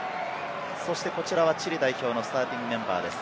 そして、こちらはチリ代表のスターティングメンバーです。